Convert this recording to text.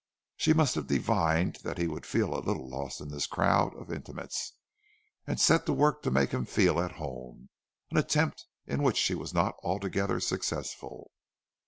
She must have divined that he would feel a little lost in this crowd of intimates, and set to work to make him feel at home—an attempt in which she was not altogether successful.